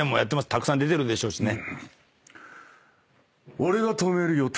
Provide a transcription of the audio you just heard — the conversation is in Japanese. たくさん出てるでしょうしね。